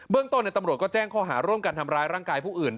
เบื้องต้นเนี่ยตำรวจก็แจ้งคอหาร่วมกันทำร้ายร่างกายผู้อื่น